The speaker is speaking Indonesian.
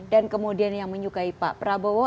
dan kemudian yang menyukai pak blablabla